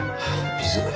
水。